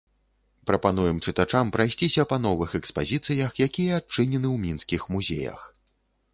Прапануем чытачам прайсціся па новых экспазіцыях, якія адчынены ў мінскіх музеях.